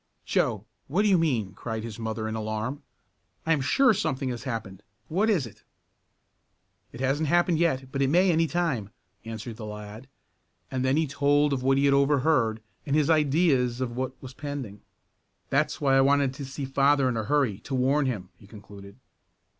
"Joe, what do you mean?" cried his mother in alarm. "I am sure something has happened. What is it?" "It hasn't happened yet, but it may any time," answered the lad, and then he told of what he had overheard, and his ideas of what was pending. "That's why I wanted to see father in a hurry, to warn him," he concluded.